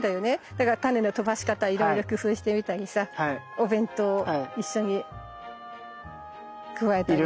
だからタネの飛ばし方いろいろ工夫してみたりさお弁当一緒に加えたりとかね。